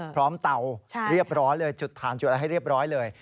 เตาเรียบร้อยเลยจุดฐานจุดอะไรให้เรียบร้อยเลย